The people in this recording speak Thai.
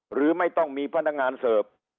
หรือไม่ต้องมีพนักงานเสิร์ฟ